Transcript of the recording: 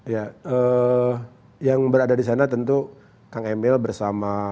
ya yang berada di sana tentu kang emil bersama